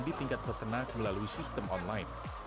di tingkat peternak melalui sistem online